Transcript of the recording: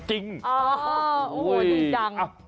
อ๋อโอ้โฮดูจัง